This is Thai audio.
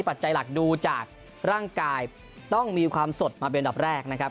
ปัจจัยหลักดูจากร่างกายต้องมีความสดมาเป็นอันดับแรกนะครับ